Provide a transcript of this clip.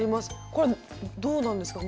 これはどうなんですか？